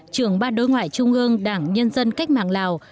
trưởng ban đối ngoại trung ương đảng nhân dân cách mạng lào